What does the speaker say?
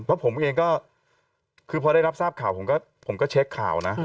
เพราะผมเองก็คือพอได้รับทราบข่าวผมก็เช็คข่าวนะ